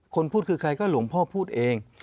คนพูดคือใครก็หลวงพ่อพูดเอง